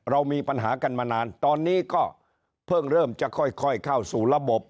เรามีปัญหากันมานานตอนนี้ก็เพิ่งเริ่มจะค่อยเข้าสู่ระบบ